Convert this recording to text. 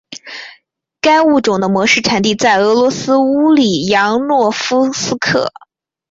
该物种的模式产地在俄罗斯乌里扬诺夫斯克。